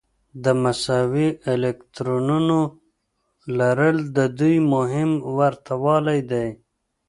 د مساوي الکترونونو لرل د دوی مهم ورته والی دی.